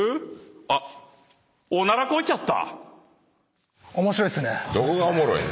あっオナラこいちゃった。